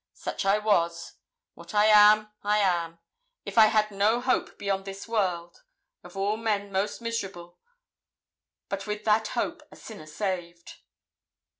Such I was; what I am, I am. If I had no hope beyond this world, of all men most miserable; but with that hope, a sinner saved.'